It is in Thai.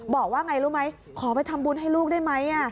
บอกว่าไงรู้ไหมขอไปทำบุญให้ลูกได้ไหม